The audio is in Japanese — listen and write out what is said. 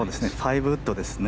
５ウッドですね。